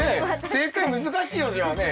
正解難しいよじゃあね。